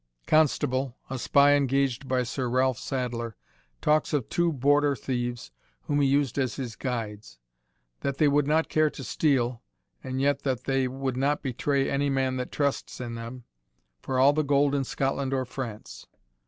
Constable, a spy engaged by Sir Ralph Sadler, talks of two Border thieves, whom he used as his guides: "That they would not care to steal, and yet that they would not betray any man that trusts in them, for all the gold in Scotland or in France.